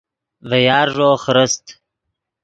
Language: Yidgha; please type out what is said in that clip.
ڤے یارݱو خرست